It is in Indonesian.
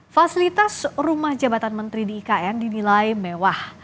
fasilitas rumah jabatan menteri di ikn dinilai mewah